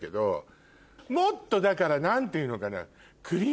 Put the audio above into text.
だから何ていうのかな。